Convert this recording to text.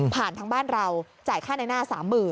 ผ่านทั้งบ้านเราจ่ายค่าน้ายหน้า๓๐๐๐๐